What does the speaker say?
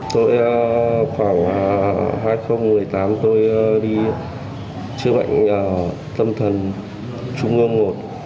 tôi khoảng hai nghìn một mươi tám tôi đi chữa bệnh tâm thần trung ương một